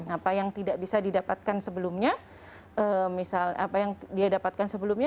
apa yang tidak bisa didapatkan sebelumnya